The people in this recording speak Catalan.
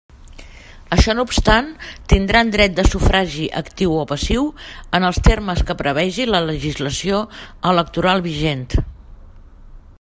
Això no obstant, tindran dret de sufragi actiu o passiu en els termes que prevegi la legislació electoral vigent.